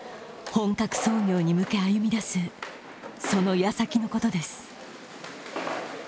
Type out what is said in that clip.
本格操業に向け歩み出すその矢先のことです。